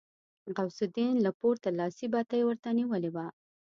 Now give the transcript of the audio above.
غوث الدين له پورته لاسي بتۍ ورته نيولې وه.